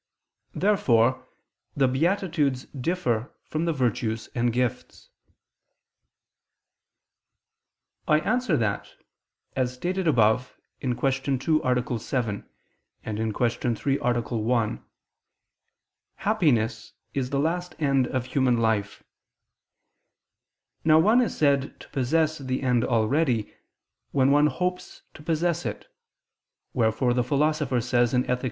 Therefore the beatitudes differ from the virtues and gifts. I answer that, As stated above (Q. 2, A. 7; Q. 3, A. 1), happiness is the last end of human life. Now one is said to possess the end already, when one hopes to possess it; wherefore the Philosopher says (Ethic.